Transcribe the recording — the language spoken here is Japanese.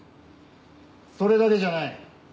それだけじゃない。